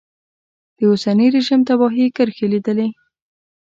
د اوسني رژیم تباهي کرښې لیدلې.